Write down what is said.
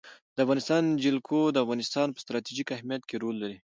د افغانستان جلکو د افغانستان په ستراتیژیک اهمیت کې رول لري.